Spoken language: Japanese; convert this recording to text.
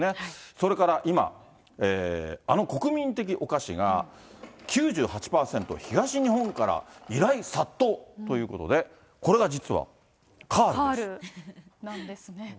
それから今、あの国民的お菓子が９８％東日本から依頼殺到ということで、これカールなんですね。